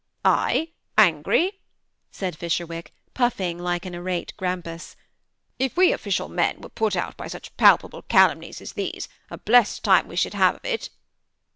" I angry !" said Fisherwick, puffing like an irate grampus ;if we official men were put out by such pal pable calumnies as these, a blessed time we should have of it."